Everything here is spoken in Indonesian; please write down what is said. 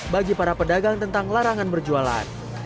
bagi para pedagang tentang larangan berjualan